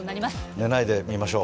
寝ないで見ましょう。